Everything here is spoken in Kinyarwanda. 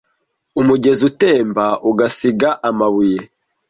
Umugezi utemba ugasiga amabuye.